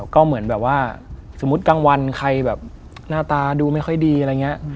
ก็เหมือนแบบว่าสมมุติกลางวันใครแบบหน้าตาดูไม่ค่อยดีอะไรอย่างนี้